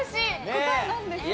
答えなんですか？